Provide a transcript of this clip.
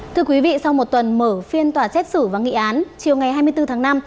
thưa quý vị sau một tuần mở phiên tòa xét xử và nghị án chiều ngày hai mươi bốn tháng năm